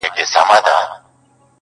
د څپو غېږته قسمت وو غورځولی-